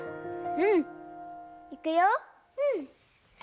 うん。